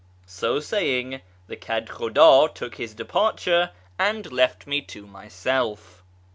So saying, the Kedhhudd took his departure and left me to myself.